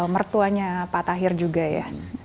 mertuanya pak tahir juga ya